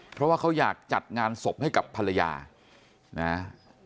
เพราะว่าเขาอยากจัดงานศพให้กับภรรยานะ